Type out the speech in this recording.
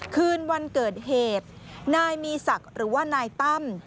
คืนวันเกิดเหตุนายมีศักดิ์หรือว่านายตั้ม